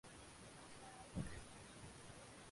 এছাড়াও এখানে।